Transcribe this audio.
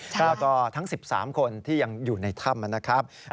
แล้วก็ทั้ง๑๓คนที่ยังอยู่ในถ้ำนะครับ